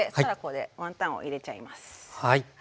はい。